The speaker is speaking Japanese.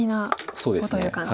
そうですね。